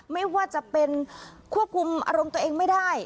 ไม่ว่าจะเป็นควบคุมอารมณ์ตัวเองไม่ได้